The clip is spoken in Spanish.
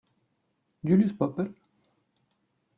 Julius Popper?